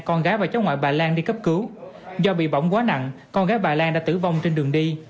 con gái và cháu ngoại bà lan đi cấp cứu do bị bỏng quá nặng con gái bà lan đã tử vong trên đường đi